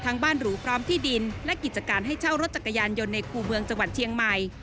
บ้านหรูพร้อมที่ดินและกิจการให้เช่ารถจักรยานยนต์ในคู่เมืองจังหวัดเชียงใหม่